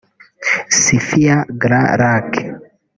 Syfia Grands Lacs